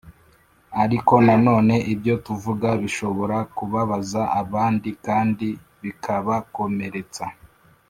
Ariko nanone ibyo tuvuga bishobora kubabaza abandi kandi bikabakomeretsa